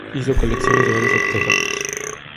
Hizo colecciones de varios artefactos.